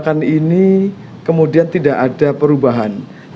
keadaan yang menyebabkan keadaan yang menyebabkan keadaan yang menyebabkan keadaan yang menyebabkan